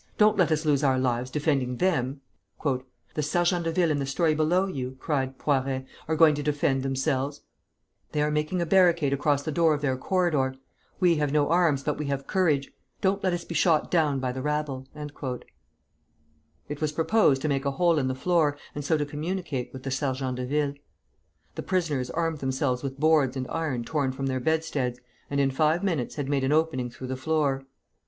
Don't let us lose our lives defending them!" "The sergents de ville in the story below you," cried Poiret, "are going to defend themselves, They are making a barricade across the door of their corridor. We have no arms, but we have courage. Don't let us be shot down by the rabble." It was proposed to make a hole in the floor, and so to communicate with the sergents de ville. The prisoners armed themselves with boards and iron torn from their bedsteads, and in five minutes had made an opening through the floor.